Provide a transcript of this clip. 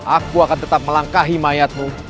aku akan tetap melangkahi mayatmu